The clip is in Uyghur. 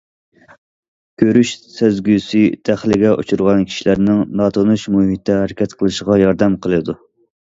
كۆرۈش سەزگۈسى دەخلىگە ئۇچرىغان كىشىلەرنىڭ ناتونۇش مۇھىتتا ھەرىكەت قىلىشىغا ياردەم قىلىدۇ.